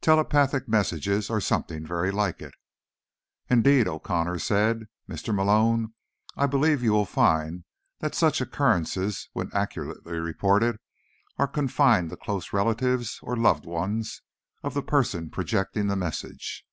Telepathic messages, or something very like it." "Indeed," O'Connor said. "Mr. Malone, I believe you will find that such occurrences, when accurately reported, are confined to close relatives or loved ones of the person projecting the message."